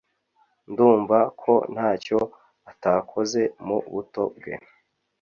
ndumva ko ntacyo atakoze mu buto bwe